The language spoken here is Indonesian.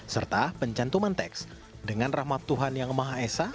serta pencantuman teks dengan rahmat tuhan yang maha esa